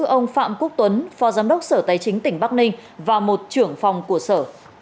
ông phạm quốc tuấn phó giám đốc sở tài chính tỉnh bắc ninh và một trưởng phòng của sở